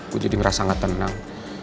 gue jadi ngerasa sangat tenang